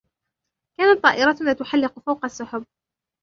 كانت طائرتنا تحلق فوق السحب.